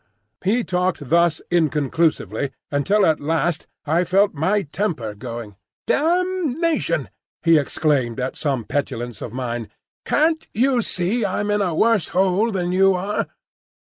He talked thus inconclusively until at last I felt my temper going. "Damnation!" he exclaimed at some petulance of mine; "can't you see I'm in a worse hole than you are?"